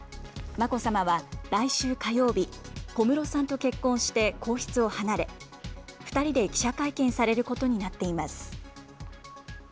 眞子さまは、来週火曜日、小室さんと結婚して皇室を離れ、２人で記者会見されることになっています。